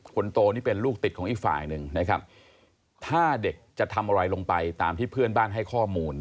คนโตนี่เป็นลูกติดของอีกฝ่ายหนึ่งนะครับถ้าเด็กจะทำอะไรลงไปตามที่เพื่อนบ้านให้ข้อมูล